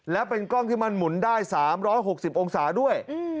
และเป็นกล้องที่มันหมุนได้๓๖๐องศาด้วย